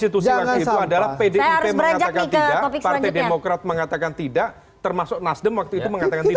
konstitusi waktu itu adalah pdip mengatakan tidak partai demokrat mengatakan tidak termasuk nasdem waktu itu mengatakan tidak